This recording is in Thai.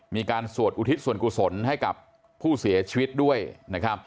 สวดอุทิศส่วนกุศลให้กับผู้เสียชีวิตด้วยนะครับ